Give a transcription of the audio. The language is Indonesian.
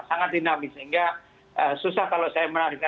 sangat dinamis sehingga susah kalau saya menariknya